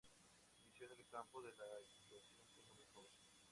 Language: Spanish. Se inició en el campo de la actuación siendo muy joven.